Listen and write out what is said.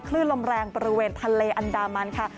คลื่นลมแรงบริเวณทะเลอันดามันค่ะ